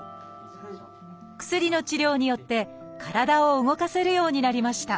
薬の治療によって体を動かせるようになりました。